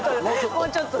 もうちょっとだ。